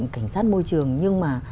cảnh sát môi trường nhưng mà